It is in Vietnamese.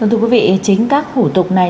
thưa quý vị chính các thủ tục này